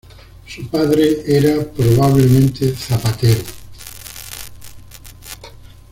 Su padre era probablemente zapatero.